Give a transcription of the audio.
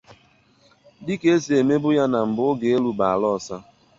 dịka e si emebụ ya na mbụ oge elu bụ ala ọsa